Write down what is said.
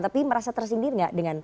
tapi merasa tersindir nggak dengan